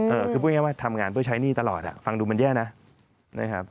เออคือพูดง่ายว่าทำงานเพื่อใช้หนี้ตลอดอ่ะฟังดูมันแย่นะนะครับ